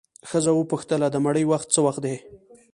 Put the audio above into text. ښځه وپوښتله د مړي وخت څه وخت دی؟